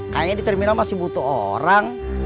kayaknya di terminal masih butuh orang